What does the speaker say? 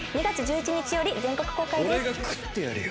２月１１日より全国公開です。